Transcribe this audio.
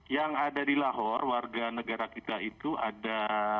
yang ada di lahore warga negara kita itu ada